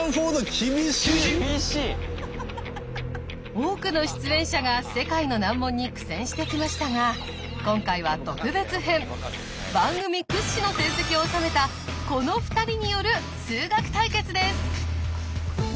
多くの出演者が世界の難問に苦戦してきましたが今回は番組屈指の成績を収めたこの２人による数学対決です。